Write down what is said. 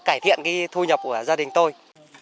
cải thiện cái thu nhập của gia đình tôi